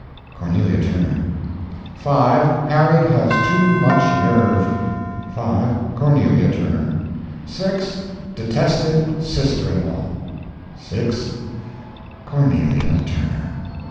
CORNELIA TURNER. 5. Harriet has too much nerve. 5. CORNELIA TURNER. 6. Detested sister in law 6. CORNELIA TURNER.